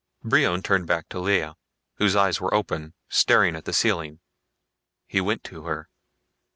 Brion turned back to Lea, whose eyes were open, staring at the ceiling. He went to her.